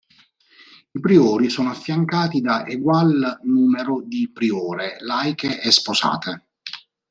I Priori sono affiancati da egual numero di Priore, laiche e sposate.